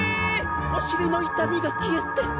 お尻の痛みが消えて。